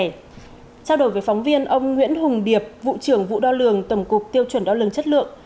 trao đổi với phóng viên ông nguyễn hùng điệp vụ trưởng vụ đo lường tổng cục tiêu chuẩn đo lường chất lượng